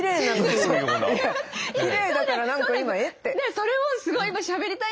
それをすごい